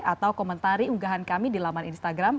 atau komentari unggahan kami di laman instagram